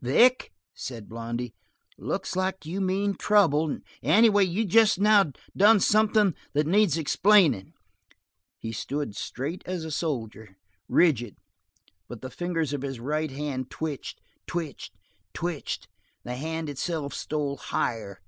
"Vic," said Blondy, "it looks like you mean trouble. Anyway, you just now done something that needs explaining." He stood straight as a soldier, rigid, but the fingers of his right hand twitched, twitched, twitched; the hand itself stole higher.